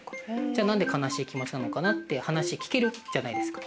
じゃあ何で悲しい気持ちなのかなって話聞けるじゃないですか。